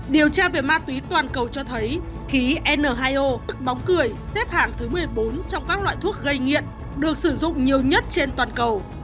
điều tra về ma túy toàn cầu cho thấy khí n hai o tức bóng cười xếp hạng thứ một mươi bốn trong các loại thuốc gây nghiện được sử dụng nhiều nhất trên toàn cầu